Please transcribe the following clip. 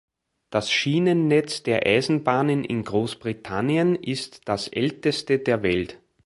Das Schienennetz der Eisenbahnen in Großbritannien ist das älteste der Welt.